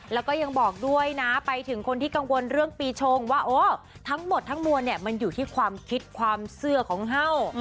แล้วก็ยังบอกด้วยนะไปถึงคนที่กังวลเรื่องปีชงว่าเออทั้งหมดทั้งมวลเนี่ยมันอยู่ที่ความคิดความเชื่อของเฮ่า